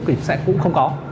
thì sẽ cũng không có